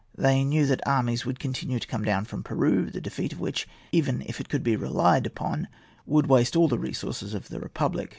They knew that armies would continue to come down from Peru, the defeat of which, even if that could be relied upon, would waste all the resources of the republic.